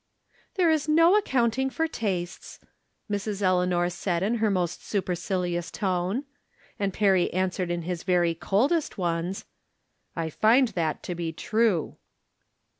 " There is no accounting for tastes," Mrs. El eanor said in her most supercilious tone. And Perry answered in his very coldest ones :" I find that to be true."